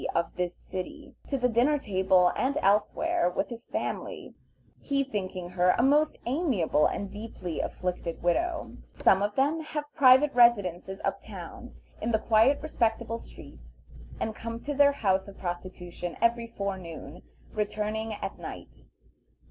of this city, to the dinner table and elsewhere, with his family, he thinking her a most amiable and deeply afflicted widow. Some of them have private residences up town, in the quiet respectable streets, and come to their houses of prostitution every forenoon, returning at night.